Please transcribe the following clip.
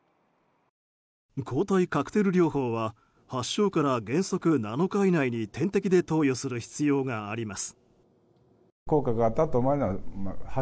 抗体カクテル療法は発症から原則７日以内に点滴で投与する必要があります。